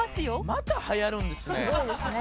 「また流行るんですね」